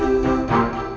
terima kasih pak